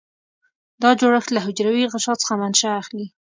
دا جوړښت له حجروي غشا څخه منشأ اخلي.